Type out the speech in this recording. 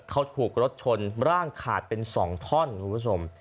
เขาถูกรถชนร่างขาดเป็น๒ท่อนคุณผู้ชม